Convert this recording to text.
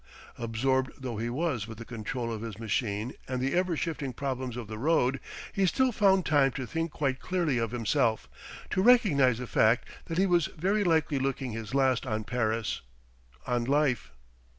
Absorbed though he was with the control of his machine and the ever shifting problems of the road, he still found time to think quite clearly of himself, to recognize the fact that he was very likely looking his last on Paris ... on life....